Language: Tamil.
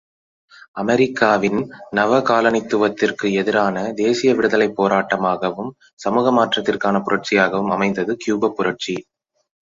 அமெரிக்காவின் நவகாலனித்துவத்திற்கு எதிரான தேசிய விடுதலைப் போராட்டமாகவும் சமூக மாற்றத்திற்கான புரட்சியாகவும் அமைந்தது கியூபப் புரட்சி.